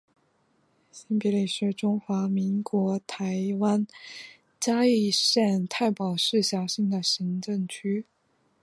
新埤里是中华民国台湾嘉义县太保市辖下的行政区。